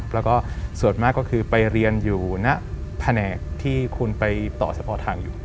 แล้วก็ส่วนมากก็คือไปเรียนอยู่ณแผนกที่คุณไปต่อเฉพาะทางอยู่